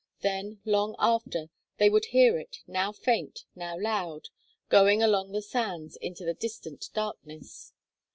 Then, long after, they would hear it, now faint, now loud, going along the sands into the distant darkness.